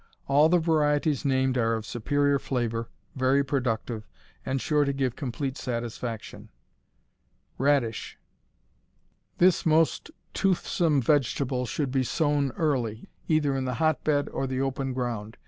All the varieties named are of superior flavor, very productive, and sure to give complete satisfaction. Radish This most toothsome vegetable should be sown early, either in the hotbed or the open ground.